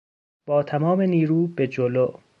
با تمام نیرو به جلو!